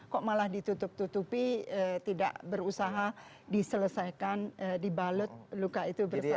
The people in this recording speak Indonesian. kok malah ditutup tutupi tidak berusaha diselesaikan dibalut luka itu bersama